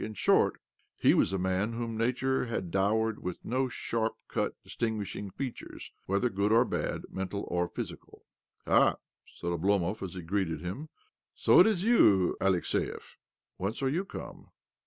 In short, he was a man whom Nature had dowered with no sharp cut, dis tinguishing features, whether good or bad, mental or physical. " Ha 1 " said Oblomov as he greeted him. "So it is you, Alexiev? Whence are you come